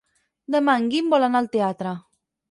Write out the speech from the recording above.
Demà en Guim vol anar al teatre.